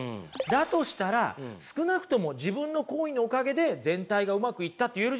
だとしたら少なくとも自分の行為のおかげで全体がうまくいったって言えるじゃないですか。